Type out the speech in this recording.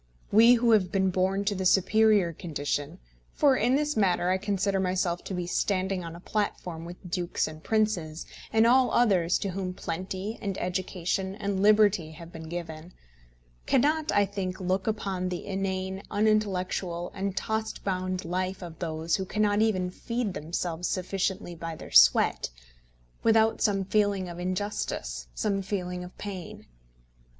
We who have been born to the superior condition, for in this matter I consider myself to be standing on a platform with dukes and princes, and all others to whom plenty and education and liberty have been given, cannot, I think, look upon the inane, unintellectual, and tost bound life of those who cannot even feed themselves sufficiently by their sweat, without some feeling of injustice, some feeling of pain.